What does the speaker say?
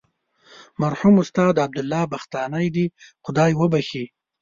مرحوم استاد عبدالله بختانی دې خدای وبخښي.